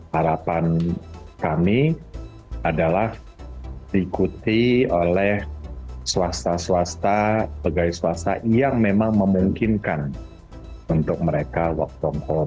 harapan kami adalah diikuti oleh swasta swasta pegawai swasta yang memang memungkinkan untuk mereka work from home